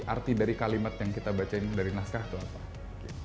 arti dari kalimat yang kita bacain dari naskah itu apa